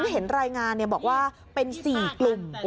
เห็นรายงานบอกว่าเป็น๔กลุ่ม